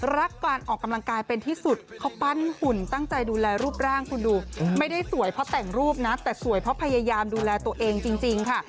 รักการออกกำลังกายเป็นที่สุดเขาปั้นหุ่นตั้งใจดูแลรูปร่างคุณดูไม่ได้สวยเพราะแต่งรูปนะแต่สวยเพราะพยายามดูแลตัวเองจริงค่ะ